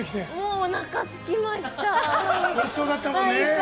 おなか、すきました。